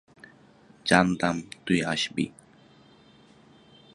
জানতাম তুই আসবি।